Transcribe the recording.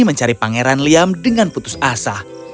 mencari pangeran liam dengan putus asa